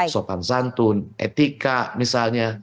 sopan santun etika misalnya